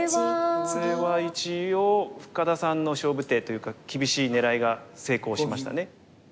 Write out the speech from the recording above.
これは一応深田さんの勝負手というか厳しい狙いが成功しましたね。